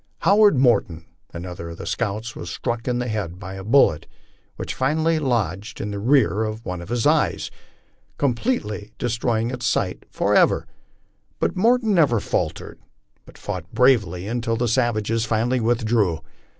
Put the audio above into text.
Howard Morton, another of the scouts, was struck in the head by a bullet wnich finally lodged in the rear of one of his eyes, completely destroying its eight forevr r ; but Morton never faltered, but fought bravely until the savages finally withdrew.